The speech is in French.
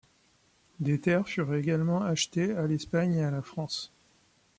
Des terres furent également achetées à l'Espagne et à la France.